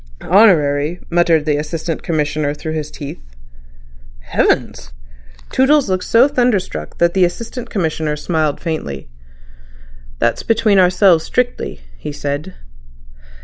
"Honorary," muttered the Assistant Commissioner through his teeth. "Heavens!" Toodles looked so thunderstruck that the Assistant Commissioner smiled faintly. "That's between ourselves strictly," he said.